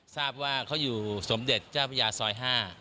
ทราบว่าเขาอยู่สมเด็จเจ้าพระยาซอย๕